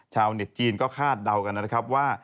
ชาวเน็ตจีนก็คาดเดากันนะครับว่า